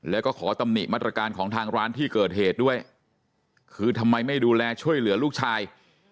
แล้วก็ขอตำหนิมาตรการของทางร้านที่เกิดเหตุด้วยคือทำไมไม่ดูแลช่วยเหลือลูกชาย